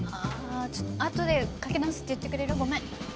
ああちょっとあとでかけ直すって言ってくれる？